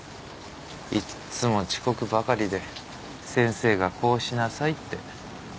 いっつも遅刻ばかりで先生がこうしなさいって。